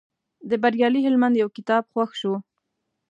د بریالي هلمند یو کتاب خوښ شو.